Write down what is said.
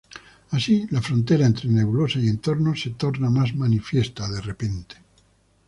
Así la frontera entre nebulosa y entorno se torna más manifiesta de repente.